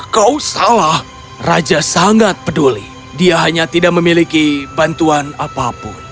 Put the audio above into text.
kau salah raja sangat peduli dia hanya tidak memiliki bantuan apapun